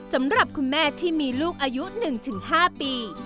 สำหรับคุณแม่ที่มีลูกอายุ๑๕ปี